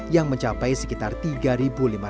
yang mencapai sekitar tiga penyandang disabilitas